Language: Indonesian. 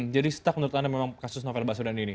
jadi setak menurut anda memang kasus novel basudan ini